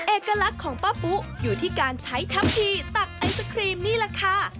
เอกลักษณ์ของป้าปุ๊อยู่ที่การใช้ทัพทีตักไอศครีมนี่แหละค่ะ